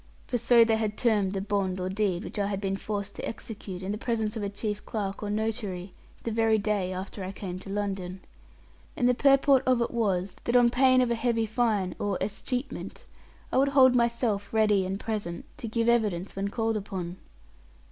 For so they had termed the bond or deed which I had been forced to execute, in the presence of a chief clerk or notary, the very day after I came to London. And the purport of it was, that on pain of a heavy fine or escheatment, I would hold myself ready and present, to give evidence when called upon.